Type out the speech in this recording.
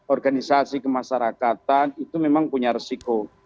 organisasi kemasyarakatan itu memang punya resiko